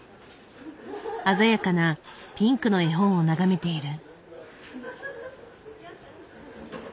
鮮やかなピンクの絵本を眺めている。